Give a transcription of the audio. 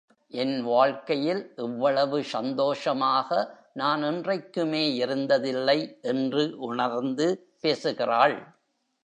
என் வாழ்க்கையில் இவ்வளவு சந்தோஷமாக நான் என்றைக்குமே இருந்ததில்லை! என்று உணர்ந்து பேசுகிறாள்.